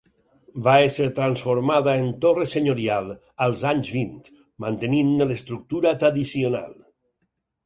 Va ésser transformada en torre senyorial als anys vint, mantenint-ne l'estructura tradicional.